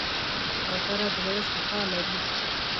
کوتره د زړه صفا لري.